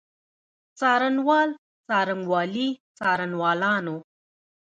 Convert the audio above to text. څارنوال، څارنوالي، څارنوالانو.